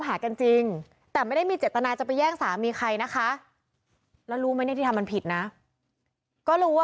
วันนั้นเรื่องเราเป็นยังไงล้อให้ฟังหน่อยได้ไหมคะ